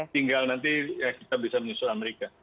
tinggal nanti kita bisa menyusul amerika